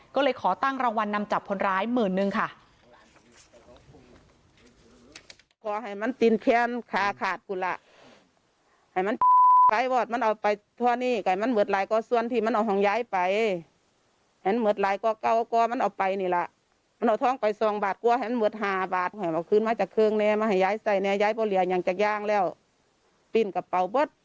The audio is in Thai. ก็เลยขอตั้งรางวัลนำจับคนร้ายหมื่นนึงค่ะ